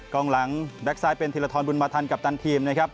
กล้องหลังแบ็คซ้ายเป็นธิระทรบุญมาธรรมกับตันทีม